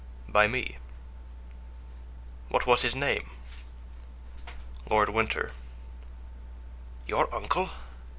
"By me." "What was his name?" "Lord Winter." "Your uncle?"